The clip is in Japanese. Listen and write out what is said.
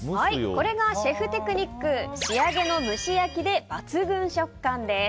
これがシェフテクニック仕上げの蒸し焼きで抜群食感です。